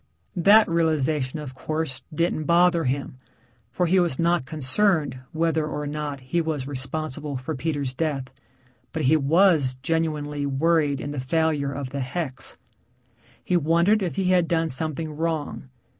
That realization, of course, didn't bother him, for he was not concerned whether or not he was responsible for Peter's death, but he was genuinely worried in the failure of the hex. He wondered if he had done something wrong.